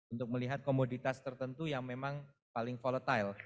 untuk melihat komoditas tertentu yang memang paling volatile